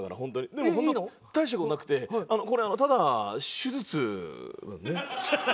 でも本当大した事なくてこれただ手術なのね。